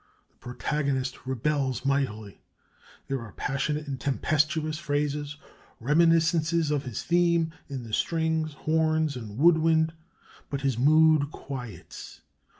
The protagonist rebels mightily; there are passionate and tempestuous phrases, reminiscences of his theme, in the strings, horns, and wood wind. But his mood quiets.